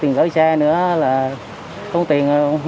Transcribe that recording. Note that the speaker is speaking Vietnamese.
người anh uống thì